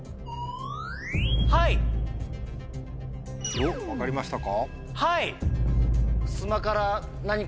おっ分かりましたか？